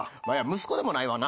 息子でもないわな。